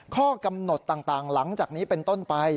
ข้อกำหนดต่างหลังจากนี้เป็นต้นไป